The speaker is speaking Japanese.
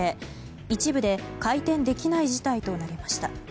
一部で開店できない事態となりました。